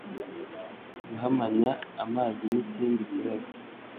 Guhumanya amazi ni ikindi kibazo